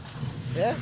えっ？